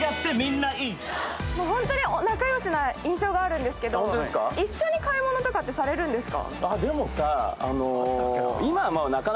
ホントに仲良しな印象があるんですけど一緒に買い物とかってされるんですか？